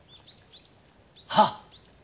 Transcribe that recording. はっ！